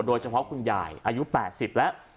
โดยเฉพาะคุณยายอายุ๘๐แล้ว